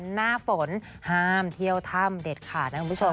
หน้าฝนห้ามเที่ยวถ้ำเด็ดขาดนะคุณผู้ชม